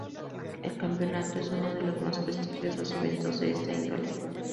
El campeonato es uno de los más prestigiosos eventos de esta índole.